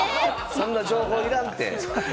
そんな情報いらんて。